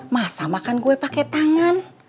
masa makan gue pakai tangan